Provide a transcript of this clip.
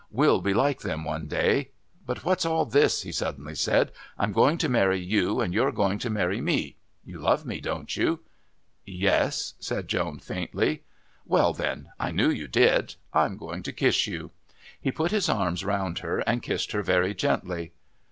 We'll be like them one day.... But what's all this?" he suddenly said. "I'm going to marry you and you're going to marry me. You love me, don't you?" "Yes," said Joan faintly. "Well, then. I knew you did. I'm going to kiss you." He put his arms around her and kissed her very gently.